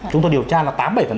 chúng tôi điều tra là tám mươi bảy